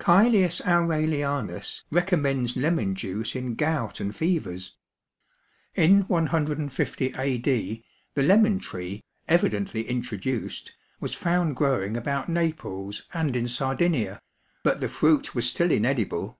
Cælius Aurelianus recommends lemon juice in gout and fevers. In 150 A. D., the lemon tree, evidently introduced, was found growing about Naples and in Sardinia, but the fruit was still inedible.